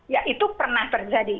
ya itu pernah terjadi